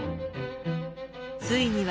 ついには